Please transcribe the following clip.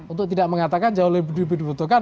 untuk tidak mengatakan jauh lebih dibutuhkan